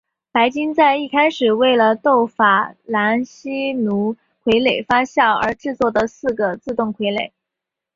白金在一开始为了逗法兰西奴傀儡发笑而制作的四个自动傀儡。